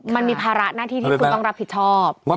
มันมีภาระหน้าที่ที่คุณต้องรับผิดชอบ